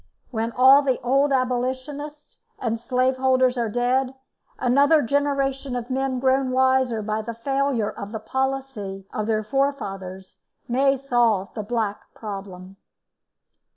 When all the old abolitionists and slave holders are dead, another generation of men grown wiser by the failure of the policy of their forefathers may solve the black problem.